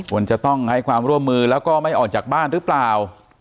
ก็คิดว่าความร่วมมือแล้วก็ไม่ออกจากบ้านรึเปล่า